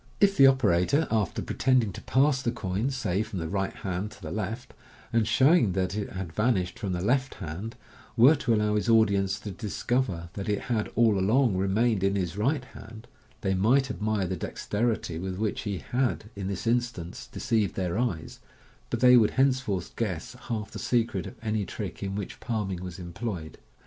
If the ok orator, after pretending to pass the coin, say, from the right hand to the Vft, and showing that it had vanished from the left hand, were to allow his audience to discover that it had all along remained in his right hand, they might admire the dexterity with which he had in this instance deceived theii eyes, but they would henceforth guess half the secret of any trick in which palming was employed.